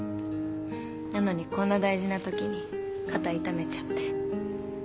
なのにこんな大事なときに肩痛めちゃって。